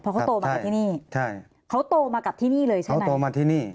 เพราะเขาโตมากับที่นี่ใช่เขาโตมากับที่นี่เลยใช่ไหมเขาโตมาที่นี่